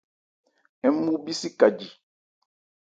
Ń mu bhísi ka ji.